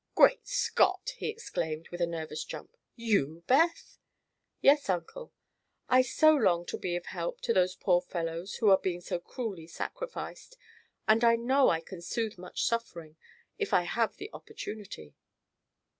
"Great Scott!" he exclaimed, with a nervous jump. "You, Beth?" "Yes, Uncle. I so long to be of help to those poor fellows who are being so cruelly sacrificed; and I know I can soothe much suffering, if I have the opportunity."